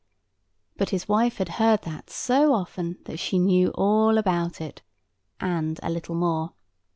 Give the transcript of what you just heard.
But his wife had heard that so often that she knew all about it, and a little more.